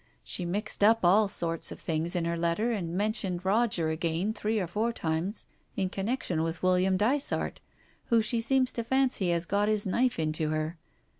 She mixed up all sorts of things in her letter, and mentioned Roger again three or four times, in connection with William Dysart, who she seems to fancy has got his knife into her.